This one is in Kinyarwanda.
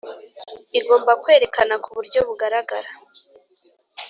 Igomba kwerekana ku buryo bugaragara